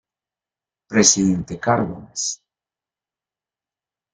Presidente Cárdenas"".